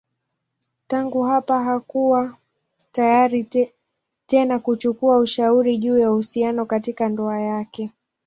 Tangu hapa hakuwa tayari tena kuchukua ushauri juu ya uhusiano katika ndoa yake.